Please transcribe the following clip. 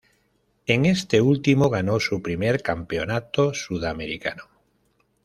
En este último, ganó su primer Campeonato Sudamericano.